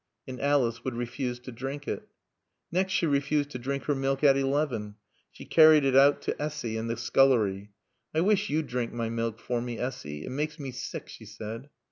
And Alice would refuse to drink it. Next she refused to drink her milk at eleven. She carried it out to Essy in the scullery. "I wish you'd drink my milk for me, Essy. It makes me sick," she said.